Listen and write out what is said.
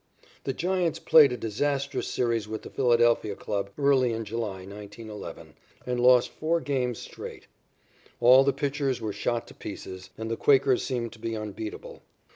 "] The Giants played a disastrous series with the Philadelphia club early in July, 1911, and lost four games straight. All the pitchers were shot to pieces, and the Quakers seemed to be unbeatable.